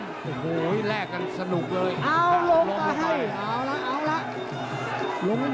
ติดตามยังน้อยกว่า